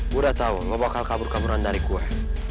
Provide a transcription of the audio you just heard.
gue udah tau lo bakal kabur kaburan dari gue